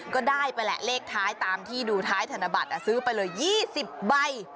ก็ได้ไปแหละเลขท้ายตามที่ดูท้ายธนบัตรซื้อไปเลย๒๐ใบ